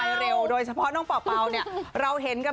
ไปเร็วโดยเฉพาะน้องพร้อมแพร่งเราเห็นกันมาก